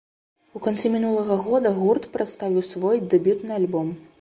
У канцы мінулага года гурт прадставіў свой дэбютны альбом.